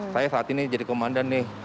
saya saat ini jadi komandan nih